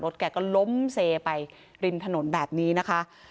แกก็ล้มเซไปริมถนนแบบนี้นะคะ